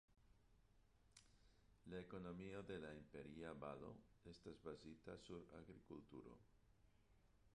La ekonomio de la Imperia Valo estas bazita sur agrikulturo.